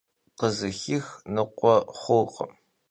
Khızıxix nıkhue xhurkhım.